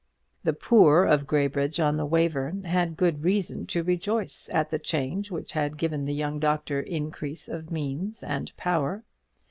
The poor of Graybridge on the Wayverne had good reason to rejoice at the change which had given the young doctor increase of means and power.